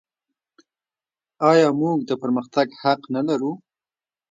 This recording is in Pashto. آیا موږ د پرمختګ حق نلرو؟